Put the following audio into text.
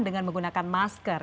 dengan menggunakan masker